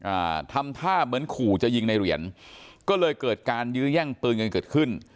อ่าทำท่าเหมือนขู่จะยิงในเหรียญก็เลยเกิดการยื้อแย่งปืนกันเกิดขึ้น